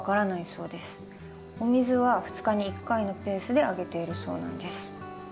お水は２日に１回のペースであげているそうなんです。